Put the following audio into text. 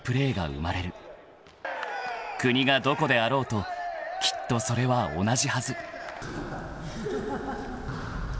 ［国がどこであろうときっとそれは同じはず］